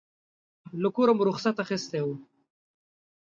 له کوره مو رخصت اخیستی و.